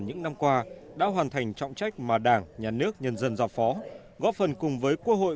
những năm qua đã hoàn thành trọng trách mà đảng nhà nước nhân dân giao phó góp phần cùng với quốc hội